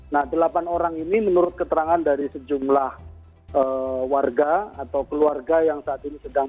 nah delapan orang ini menurut keterangan dari sejumlah warga atau keluarga yang saat ini sedang